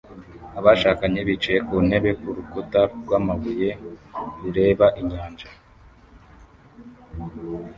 Abashakanye bicaye ku ntebe kurukuta rwamabuye rureba inyanja